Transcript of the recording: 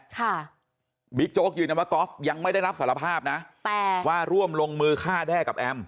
ค่ะบิ๊กโจ๊กยืนยันว่ากอล์ฟยังไม่ได้รับสารภาพนะแต่ว่าร่วมลงมือฆ่าแด้กับแอม